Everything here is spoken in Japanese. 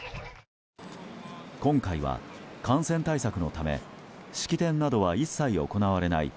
今回は感染対策のため式典などは一切行われない